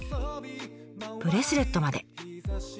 ブレスレットまで。